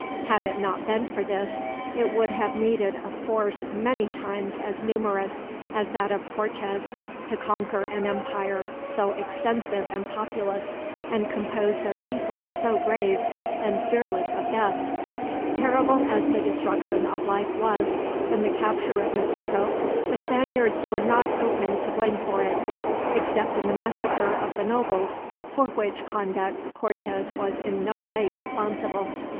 Had it not been for this, it would have needed a force many times as numerous as that of Cortez to conquer an empire so extensive and populous, and composed of peoples so brave and fearless of death. Terrible as the destruction of life was, in the capture of Mexico, the Spaniards were not open to blame for it; except in the massacre of the nobles, for which conduct Cortez was in no way responsible.